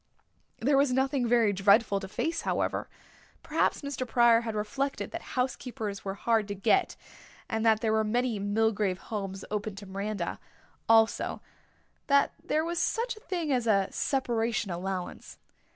There was nothing very dreadful to face, however. Perhaps Mr. Pryor had reflected that housekeepers were hard to get and that there were many Milgrave homes open to Miranda also, that there was such a thing as a separation allowance.